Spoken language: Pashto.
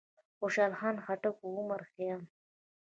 خوشحال خان خټک، عمر خيام،